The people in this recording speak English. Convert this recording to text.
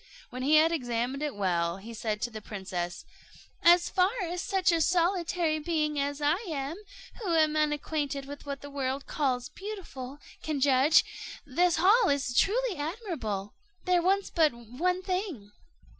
When he had examined it well, he said to the princess, "As far as such a solitary being as I am, who am unacquainted with what the world calls beautiful, can judge, this hall is truly admirable; there wants but one thing."